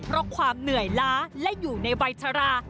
เพราะความเหนื่อยล้าและอยู่ในวัยชรา